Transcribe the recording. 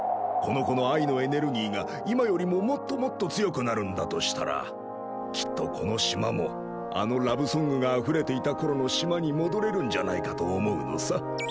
この子の愛のエネルギーが今よりももっともっと強くなるんだとしたらきっとこの島もあのラブソングがあふれていた頃の島に戻れるんじゃないかと思うのさ。